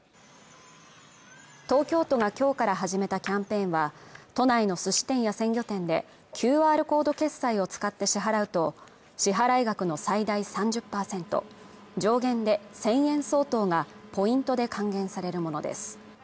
東京都が今日から始めたキャンペーンは都内のすし店や鮮魚店でＱＲコード決済を使って支払うと支払額の最大３０％上限で１０００円相当がポイントで還元されるものです